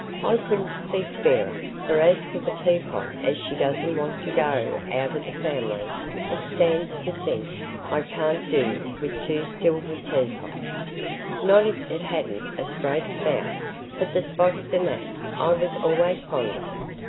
I couldn't speak fairer; for as for the teapot as she doesn't want to go out o' the family, it stands to sense I can't do with two silver teapots, not if it hadn't a straight spout, but the spotted damask I was allays fond on."